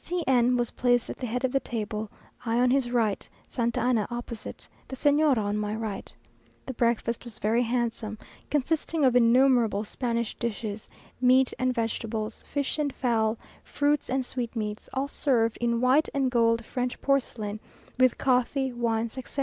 C n was placed at the head of the table, I on his right, Santa Anna opposite, the Señora on my right. The breakfast was very handsome, consisting of innumerable Spanish dishes, meat and vegetables, fish and fowl, fruits and sweatmeats, all served in white and gold French porcelain, with coffee, wines, etc.